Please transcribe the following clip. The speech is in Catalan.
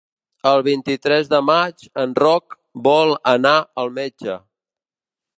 El vint-i-tres de maig en Roc vol anar al metge.